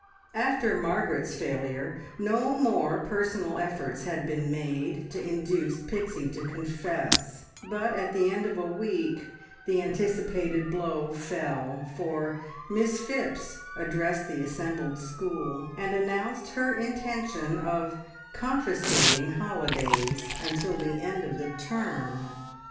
After Margaret's failure no more personal efforts had been made to induce Pixie to confess; but at the end of a week the anticipated blow fell, for Miss Phipps addressed the assembled school and announced her intention of confiscating holidays until the end of the term.